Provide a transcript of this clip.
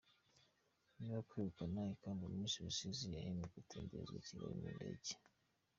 Nyuma yo kwegukana ikamba Miss Rusizi yahembwe gutemberezwa i Kigali mu ndege.